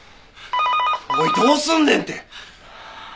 おいどうすんねんて！